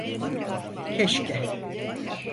Keşke.